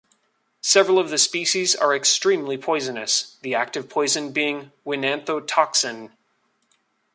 Several of the species are extremely poisonous, the active poison being oenanthotoxin.